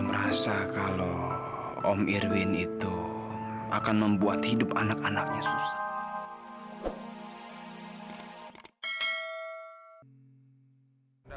merasa kalau om irwin itu akan membuat hidup anak anaknya susah